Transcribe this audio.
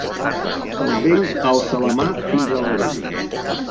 El vell alça la mà fins a l'orella.